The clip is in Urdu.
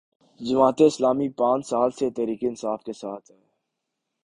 جماعت اسلامی پانچ سال سے تحریک انصاف کے ساتھ ہے۔